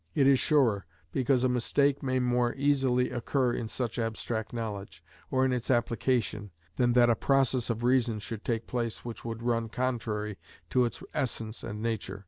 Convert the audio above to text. It is surer, because a mistake may more easily occur in such abstract knowledge, or in its application, than that a process of reason should take place which would run contrary to its essence and nature.